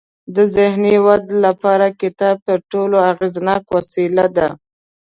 د ذهني ودې لپاره کتاب تر ټولو اغیزناک وسیله ده.